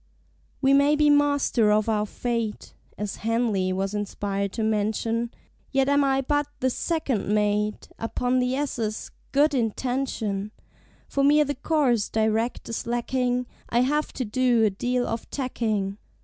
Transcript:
We may be Master of our Fate, (As Henley was inspired to mention) Yet am I but the Second Mate Upon the ss. "Good Intention"; For me the course direct is lacking I have to do a deal of tacking.